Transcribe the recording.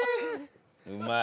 うまい。